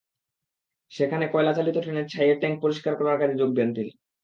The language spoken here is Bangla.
সেখানে কয়লাচালিত ট্রেনের ছাইয়ের ট্যাংক পরিষ্কার করার কাজে যোগ দেন তিনি।